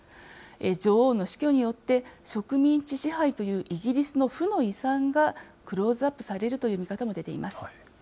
女王の死去によって、植民地支配というイギリスの負の遺産がクローズアップされるという見方も出ています。